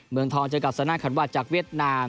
เมืองทองเจอกับซาน่าขันวาจากเวียดนาม